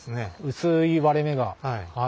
薄い割れ目が。